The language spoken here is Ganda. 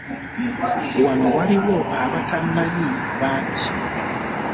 Wano waaliwo abatamanyi bangi.